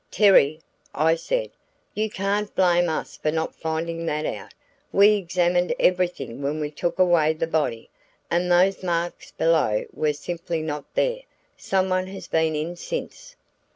"Terry," I said, "you can't blame us for not finding that out. We examined everything when we took away the body, and those marks below were simply not there. Someone has been in since."